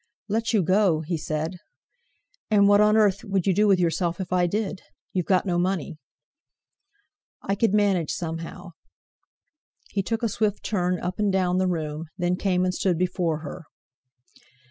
"Let you go!" he said; "and what on earth would you do with yourself if I did? You've got no money!" "I could manage somehow." He took a swift turn up and down the room; then came and stood before her.